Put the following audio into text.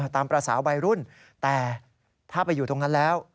ตามภาษาวัยรุ่นแต่ถ้าไปอยู่ตรงนั้นแล้ว